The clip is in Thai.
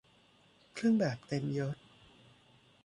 เครื่องแบบเต็มยศ